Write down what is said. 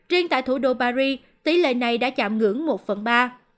riêng tại thủ đô paris tỷ lệ này đã chạm ngưỡng một phần ba